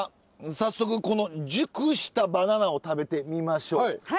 早速この熟したバナナを食べてみましょう。